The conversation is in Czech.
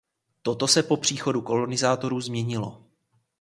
Toto se po příchodu kolonizátorů změnilo.